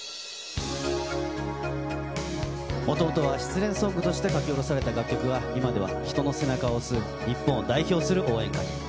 もともとは失恋ソングとして書き下ろされた楽曲は、今では人の背中を押す、日本を代表する応援歌に。